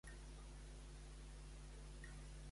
Quina és la persona principal de Ciutadans?